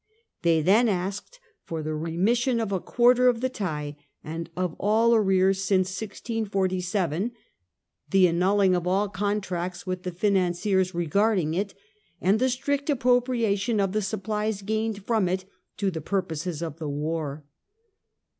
They then asked for the remission of a quarter of the tazlley and of all arrears since 1647, the annulling of all contracts with the financiers regarding it, and the Strict appropriation of the supplies gained from it to the purposes of the war.